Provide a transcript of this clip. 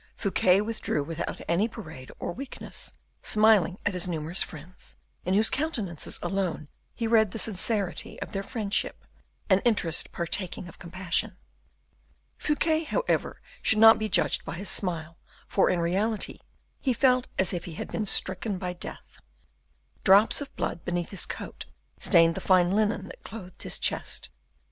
Fouquet withdrew without any parade or weakness, smiling at his numerous friends, in whose countenances alone he read the sincerity of their friendship an interest partaking of compassion. Fouquet, however, should not be judged by his smile, for, in reality, he felt as if he had been stricken by death. Drops of blood beneath his coat stained the fine linen that clothed his chest.